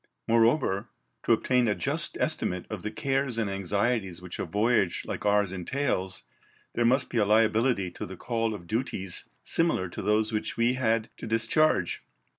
Moreover, to obtain a just estimate of the cares and anxieties which a voyage like ours entails, there must be a liability to the call of duties similar to those which we had to discharge.